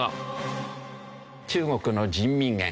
中国の人民元